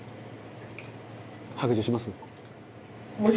「白状します？」